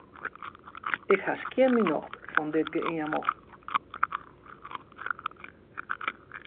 Ik ha skjin myn nocht fan dit geëamel.